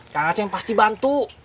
kang aceh pasti bantu